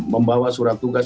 membawa surat tugas